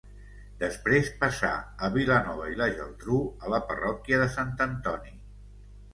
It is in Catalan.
Després passà a Vilanova i la Geltrú, a la parròquia de Sant Antoni.